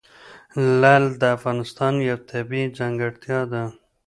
لعل د افغانستان یوه طبیعي ځانګړتیا ده.